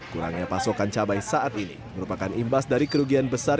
kurangnya pasokan cabai saat ini merupakan imbas dari kerugian besar